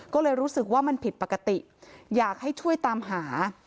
ก็เลยรู้สึกว่ามันผิดปกติอยากให้ช่วยตามหา